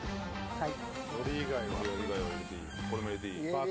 はい！